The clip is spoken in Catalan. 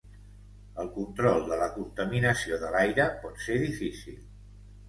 El control de la contaminació de l'aire pot ser difícil.